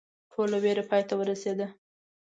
ټوله ویره پای ته ورسېده.